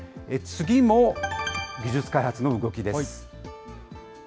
次も技術開発の動きです。